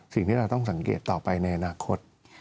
สิ่งที่เราต้องสังเกตต่อไปในอนาคต